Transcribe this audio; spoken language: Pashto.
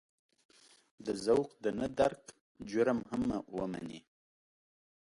د ذوق د نه درک جرم هم ومني.